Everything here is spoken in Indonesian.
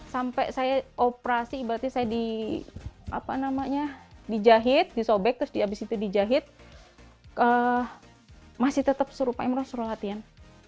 sampai saya operasi berarti saya dijahit disobek terus dihabis itu dijahit masih tetap suruh pak emroh suruh latihan